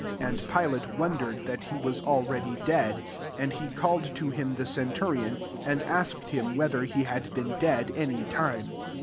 44 And Pilate wondered diat lie was already dead: and he caHed to him Uie centuricm, and asked hmi whether he had been dead any time.